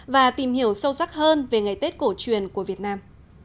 và tìm hiểu sâu sắc hơn về ngày tết cổ truyền của việt nam